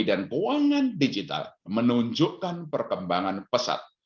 pertama kursus ekonomi di indonesia sering menunjukkan perkembangan pesat